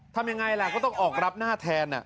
ทำยังไงล่ะก็ต้องออกรับหน้าแทน